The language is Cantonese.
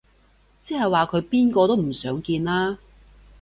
即係話佢邊個都唔想見啦